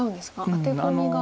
アテコミが。